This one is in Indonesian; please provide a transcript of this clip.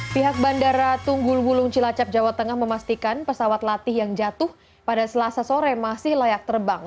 pihak bandara tunggul wulung cilacap jawa tengah memastikan pesawat latih yang jatuh pada selasa sore masih layak terbang